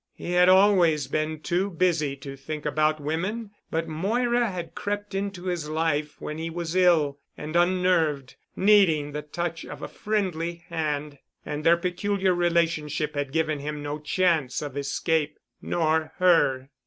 He had always been too busy to think about women, but Moira had crept into his life when he was ill and unnerved, needing the touch of a friendly hand, and their peculiar relationship had given him no chance of escape—nor her.